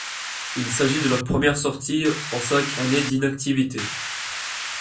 Il s'agit de leur première sortie en cinq années d'inactivité.